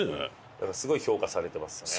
だからすごい評価されてますね。